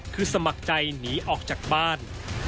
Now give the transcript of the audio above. คือสมัครใจหนีออกจากบ้าน